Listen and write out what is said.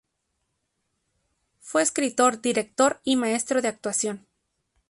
Fue escritor, director y maestro de actuación.